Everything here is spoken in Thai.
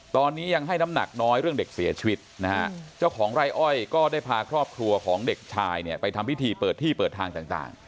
ตอนนี้ยังให้น้ำหนักน้อยเรื่องเด็กเสียชีวิตนะฮะเจ้าของไร่อ้อยก็ได้พาครอบครัวของเด็กชายเนี่ยไปทำพิธีเปิดที่เปิดทางต่าง